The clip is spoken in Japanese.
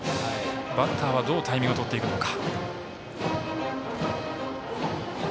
バッターはどうタイミングをとっていくのか。